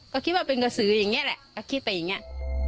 ก็คิดว่าเป็นกระสืออย่างนี้แหละก็คิดไปอย่างนี้